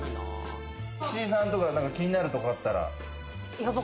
岸井さんとか気になるところあったら。